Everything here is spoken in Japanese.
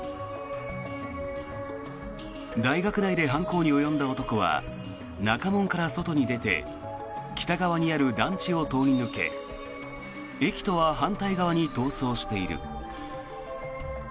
大学内で犯行に及んだ男は中門から外に出て北側にある団地を通り抜け駅とは反対側に逃走している。